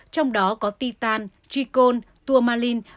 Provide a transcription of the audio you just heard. trong đó có titan tricol tourmaline